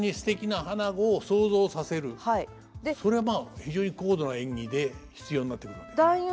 それはまあ非常に高度な演技で必要になってくるわけですね。